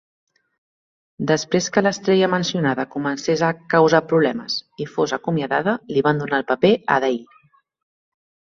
Després que l'estrella mencionada comences a "causar problemes" i fos acomiadada, li van donar el paper a Dale.